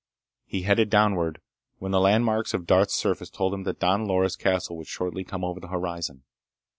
He headed downward when the landmarks on Darth's surface told him that Don Loris' castle would shortly come over the horizon.